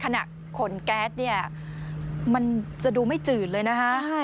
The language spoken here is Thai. ขนแก๊สเนี่ยมันจะดูไม่จืดเลยนะคะ